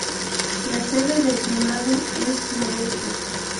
La sede del condado es Modesto.